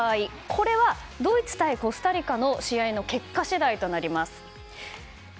これはドイツ対コスタリカの結果次第となります。